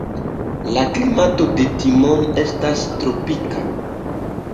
La klimato de Timon estas tropika.